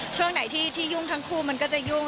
ช่วงไหนที่ยุ่งทั้งคู่มันก็จะยุ่ง